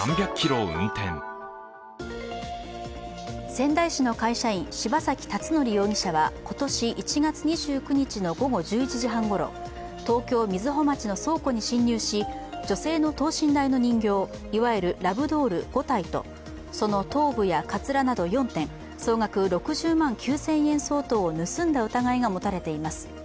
仙台市の会社員、柴崎辰徳容疑者は今年１月２９日の午後１１時半ごろ東京・瑞穂町の倉庫に侵入し女性の等身大の人形、いわゆるラブドール５体と、その頭部やかつらなど４点、総額６０万９０００円相当を盗んだ疑いが持たれています。